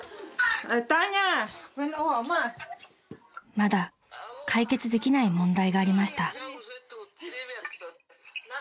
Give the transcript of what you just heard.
［まだ解決できない問題がありました］